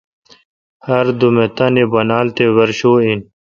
ہردوم اے،° تانی بانال تے ورشو این۔